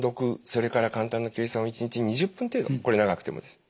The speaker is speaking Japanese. それから簡単な計算を１日２０分程度これ長くてもです。